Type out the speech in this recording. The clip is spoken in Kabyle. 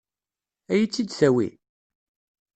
Ad iyi-tt-id-tawi?